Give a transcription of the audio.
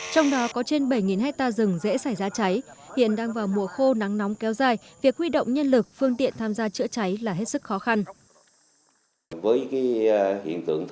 trong đó có trên bảy hectare rừng dễ xảy ra cháy hiện đang vào mùa khô nắng nóng kéo dài việc huy động nhân lực phương tiện tham gia chữa cháy là hết sức khó khăn